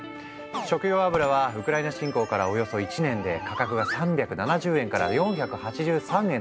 食用油はウクライナ侵攻からおよそ１年で価格が３７０円から４８３円となんとおよそ１．３倍に。